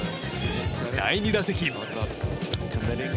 第２打席。